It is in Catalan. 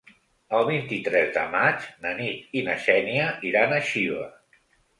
El vint-i-tres de maig na Nit i na Xènia iran a Xiva.